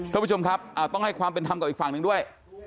ท่านผู้ชมครับต้องให้ความเป็นธรรมกับอีกฝั่งหนึ่งด้วย